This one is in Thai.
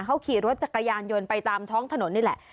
เขาขี่รถจักรยานยนต์ไปตามท้องถนนนี่แหละ